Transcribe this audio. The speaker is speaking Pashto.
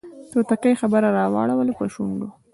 توتکۍ خبره راوړله پر شونډو